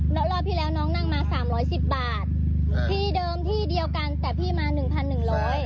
แล้วรอบที่แล้วน้องนั่งมาสามร้อยสิบบาทที่เดิมที่เดียวกันแต่พี่มาหนึ่งพันหนึ่งร้อย